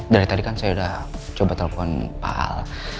dari tadi kan saya sudah coba telepon pak al